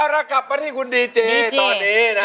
ละกลับมาที่คุณดีเจ